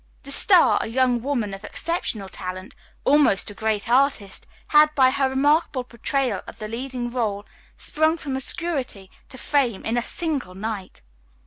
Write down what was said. The star, a young woman of exceptional talent, almost a great artist, had by her remarkable portrayal of the leading role sprung from obscurity to fame in a single night.